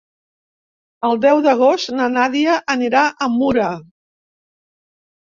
El deu d'agost na Nàdia anirà a Mura.